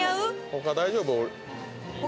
他大丈夫？